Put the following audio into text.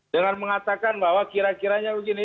dengan mengatakan bahwa kira kiranya begini